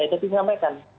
itu di sampaikan